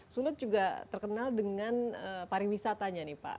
sulut juga terkenal dengan pariwisatanya nih pak